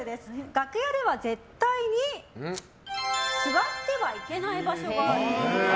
楽屋では絶対に座ってはいけない場所がある！